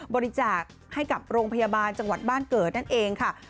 บริจาคให้กับโรงพยาบาลจังหวัดบ้านเกิดนั่นเองค่ะ